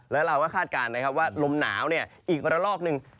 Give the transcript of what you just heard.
แล้วเราก็คาดการณ์ว่าลมหนาวเนี่ยอีกวันละรอกหนึ่ง